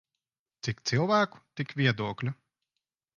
Cik cilvēku tik viedokļu.